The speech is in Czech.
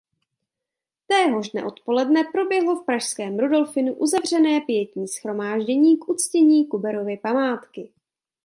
Téhož dne odpoledne proběhlo v pražském Rudolfinu uzavřené pietní shromáždění k uctění Kuberovy památky.